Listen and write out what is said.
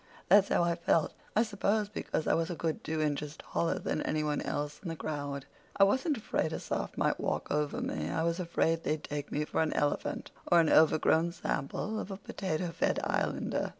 That's how I felt—I suppose because I was a good two inches taller than any one else in the crowd. I wasn't afraid a Soph might walk over me; I was afraid they'd take me for an elephant, or an overgrown sample of a potato fed Islander."